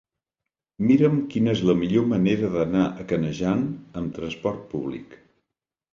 Mira'm quina és la millor manera d'anar a Canejan amb trasport públic.